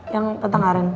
yang tentang arin